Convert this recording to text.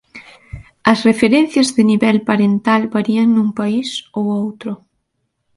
As referencias de nivel parental varían nun país ou outro.